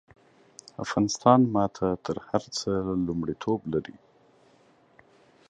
افغانستان ماته د هر څه لومړيتوب لري